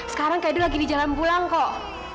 sekarang kak edo lagi di jalan pulang kok